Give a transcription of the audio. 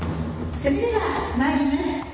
それではまいります。